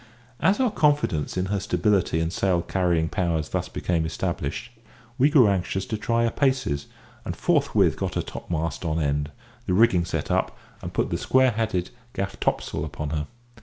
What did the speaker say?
As our confidence in her stability and sail carrying powers thus became established, we grew anxious to try her paces, and forthwith got her topmast on end, the rigging set up, and put the square headed gaff topsail upon her.